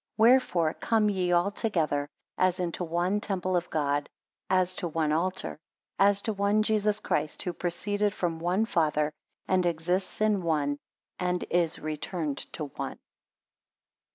Wherefore come ye all together, as unto one temple of God; as to one altar; as to one: Jesus Christ, who proceeded from one Father, and exists in one; and is returned to one.